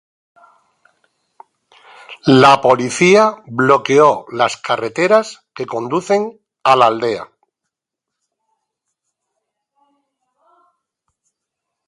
La policía bloqueó las carreteras que conducen a la aldea.